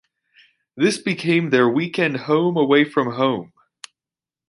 This became their weekend home away from home.